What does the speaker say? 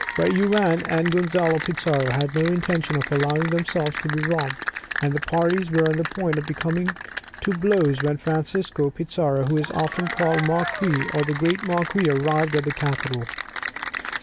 But Juan and Gonzalo Pizarro had no intention of allowing themselves to be robbed, and the parties were on the point of coming to blows when Francisco Pizarro, who is often called the Marquis or the great Marquis, arrived at the capital.